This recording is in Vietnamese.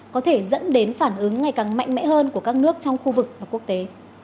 có thể dẫn đến phản ứng ngày càng mạnh mẽ hơn của các nước trong khu vực và quốc tế